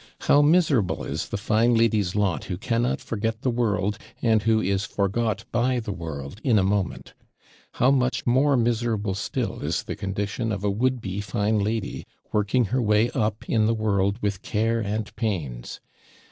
How miserable is the fine lady's lot who cannot forget the world, and who is forgot by the world in a moment! How much more miserable still is the condition of a would be fine lady, working her way up in the world with care and pains!